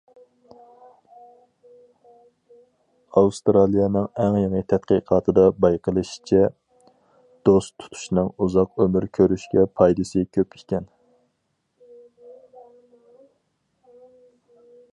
ئاۋسترالىيەنىڭ ئەڭ يېڭى تەتقىقاتىدا بايقىلىشىچە، دوست تۇتۇشنىڭ ئۇزاق ئۆمۈر كۆرۈشكە پايدىسى كۆپ ئىكەن.